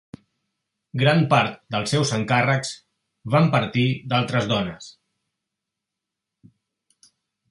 Gran part dels seus encàrrecs van partir d'altres dones.